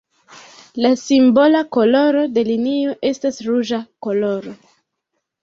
La simbola koloro de linio estas ruĝa koloro.